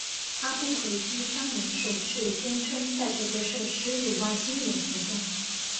阿布奎基商人首次宣称在这个设施有外星人活动。